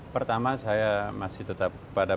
pertama saya masih tetap pada